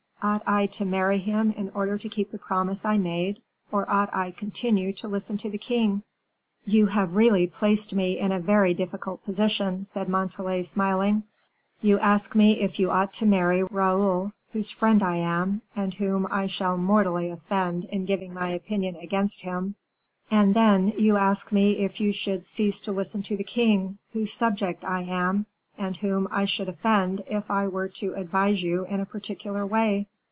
Ought I to marry him in order to keep the promise I made, or ought I continue to listen to the king?" "You have really placed me in a very difficult position," said Montalais, smiling; "you ask me if you ought to marry Raoul, whose friend I am, and whom I shall mortally offend in giving my opinion against him; and then, you ask me if you should cease to listen to the king, whose subject I am, and whom I should offend if I were to advise you in a particular way.